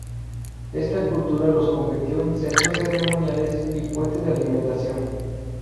Esta cultura los convirtió en centros ceremoniales y fuente de alimentación.